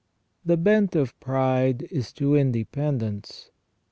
The bent of pride is to independence.